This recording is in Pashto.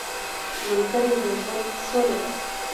ملګری د ژوند سوله ده